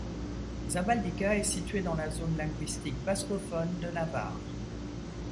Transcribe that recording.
Zabaldika est situé dans la zone linguistique bascophone de Navarre.